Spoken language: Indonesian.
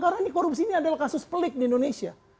karena ini korupsi ini adalah kasus pelik di indonesia